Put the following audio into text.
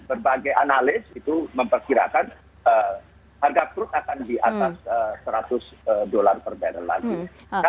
berbagai analis itu memperkirakan harga perut akan di atas seratus dolar per barrel lagi